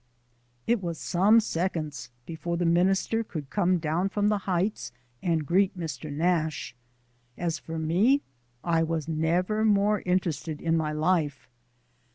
It was some seconds before the minister could come down from the heights and greet Mr. Nash. As for me, I was never more interested in my life.